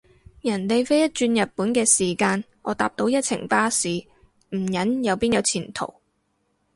人哋飛一轉日本嘅時間，我搭到一程巴士，唔忍又邊有前途？